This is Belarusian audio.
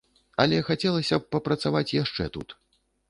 Але хацелася б папрацаваць яшчэ тут.